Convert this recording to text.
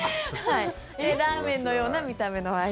ラーメンのような見た目のアイス。